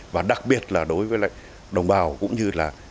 và đặc biệt là đối với lại đồng bào cũng như là